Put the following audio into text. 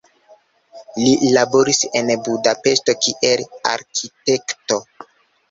Li laboris en Budapeŝto kiel arkitekto.